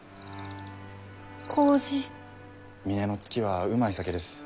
「峰乃月」はうまい酒です。